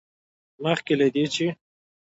مخکې له دې، چې